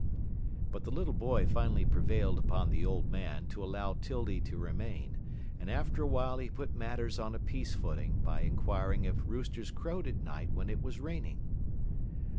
But the little boy finally prevailed upon the old man to allow 'Tildy to remain, and after a while he put matters on a peace footing by inquiring if roosters crowed at night when it was raining.